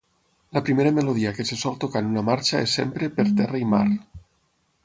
La primera melodia que se sol tocar en una marxa és sempre "Per terra i mar".